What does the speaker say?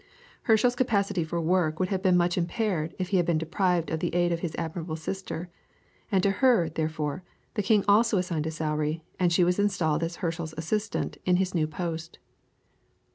Herschel's capacity for work would have been much impaired if he had been deprived of the aid of his admirable sister, and to her, therefore, the King also assigned a salary, and she was installed as Herschel's assistant in his new post.